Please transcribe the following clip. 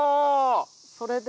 それで。